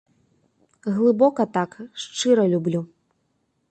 Глыбока так, шчыра люблю.